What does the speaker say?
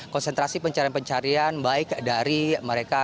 konsentrasi pencarian pencarian baik dari mereka